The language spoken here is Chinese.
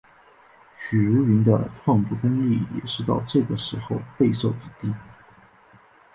许茹芸的创作功力也是到这个时候备受肯定。